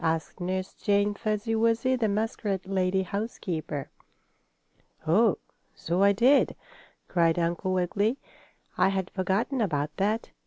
asked Nurse Jane Fuzzy Wuzzy, the muskrat lady housekeeper. "Oh, so I did!" cried Uncle Wiggily. "I had forgotten about that.